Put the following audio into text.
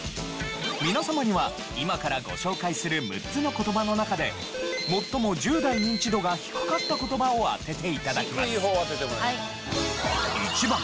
皆様には今からご紹介する６つの言葉の中で最も１０代ニンチドが低かった言葉を当てて頂きます。